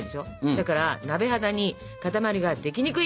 だから鍋肌に塊ができにくい。